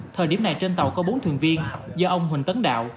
thời điểm này trên tàu có bốn thuyền viên do ông huỳnh tấn đạo